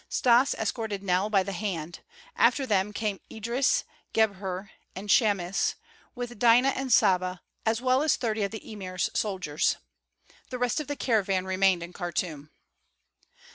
Stas escorted Nell by the hand; after them came Idris, Gebhr, and Chamis, with Dinah and Saba, as well as thirty of the emir's soldiers. The rest of the caravan remained in Khartûm.